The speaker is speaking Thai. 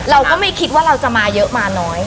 เราก็ไม่คิดว่าเราจะมาเยอะมาน้อย